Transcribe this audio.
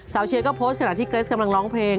เชียร์ก็โพสต์ขณะที่เกรสกำลังร้องเพลง